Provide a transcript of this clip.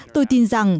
tôi tin rằng